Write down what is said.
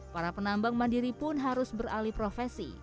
para penambang mandiri pun harus beralih profesi